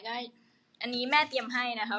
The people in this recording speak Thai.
อันนี้แม่เตรียมให้นะคะ